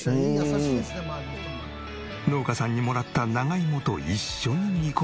農家さんにもらった長芋と一緒に煮込めば。